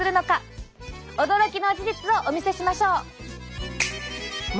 驚きの事実をお見せしましょう！